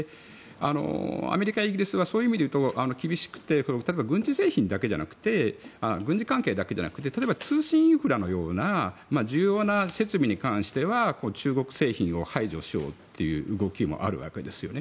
アメリカ、イギリスはそういう意味でいうと厳しくて軍事関係だけじゃなくて例えば通信インフラのような重要な設備に関しては中国製品を排除しようという動きもあるわけです。